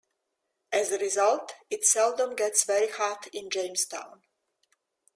As a result, it seldom gets very hot in Jamestown.